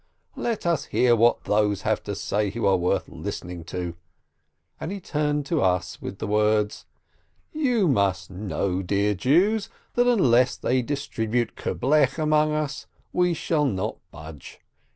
Let us hear what those have to say who are worth listening to !" and he turned to us with the words : "You must know, dear Jews, that unless they dis tribute kerblech among us, we shall not budge.